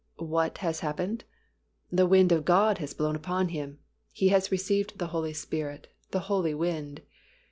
What has happened? The Wind of God has blown upon him; he has received the Holy Spirit, the Holy Wind.